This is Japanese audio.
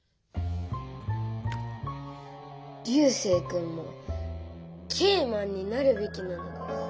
流星君もＫマンになるべきなのです。